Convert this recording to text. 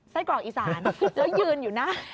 ใส่กล่องอีซานเจ้ายืนอยู่หน้า